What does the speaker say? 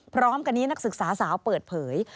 พร้อมกันนี้นักศึกษาสาวเปิดเผย